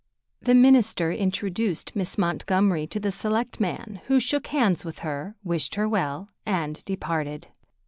The minister introduced Miss Montgomery to the selectman, who shook hands with her, wished her well, and departed.